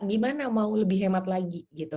gimana mau lebih hemat lagi gitu